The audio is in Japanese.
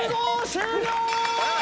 終了！